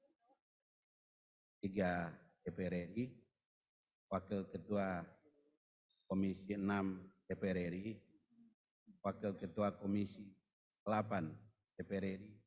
wakil ketua komisi enam dpr ri wakil ketua komisi delapan dpr ri wakil ketua komisi sebelas dpr ri